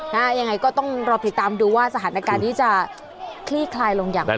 ยังไงก็ต้องรอติดตามดูว่าสถานการณ์นี้จะคลี่คลายลงอย่างไร